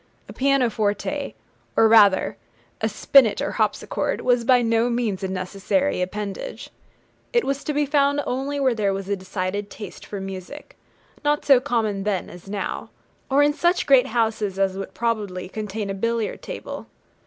A pianoforte, or rather a spinnet or harpsichord, was by no means a necessary appendage. It was to be found only where there was a decided taste for music, not so common then as now, or in such great houses as would probably contain a billiard table.